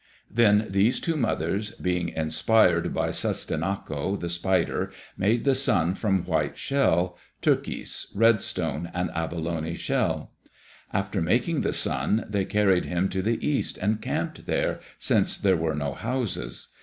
Then these two mothers, being inspired by Sussistinnako, the spider, made the sun from white shell, turkis, red stone, and abalone shell. After making the sun, they carried him to the east and camped there, since there were no houses.